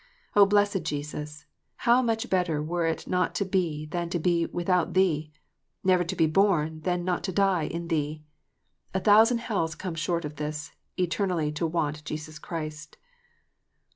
Oh, blessed Jesus, how much better were it not to be than to be without Thee ! never to be born than not to die in Thee ! A thousand hells come short of this, eternally to want Jesus Christ."